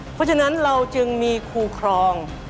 เพราะฉะนั้นเราจึงมีครูครอง